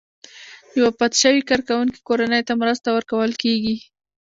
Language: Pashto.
د وفات شوي کارکوونکي کورنۍ ته مرسته ورکول کیږي.